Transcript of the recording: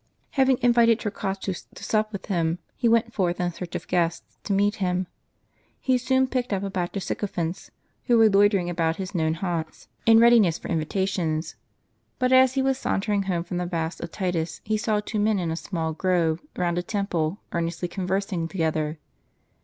Having invited Torquatus to sup with him, he went forth in search of guests to meet him. He soon picked up a batch of sycophants, who were loitering about his known haunts, in readiness for invitations. But as he was sauntering home from the baths of Titus, he saw two men in a small grove dtr round a temple earnestly conversing together.